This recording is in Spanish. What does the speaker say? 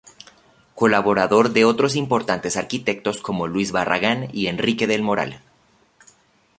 Colaborador de otros importantes arquitectos como Luis Barragán y Enrique del Moral.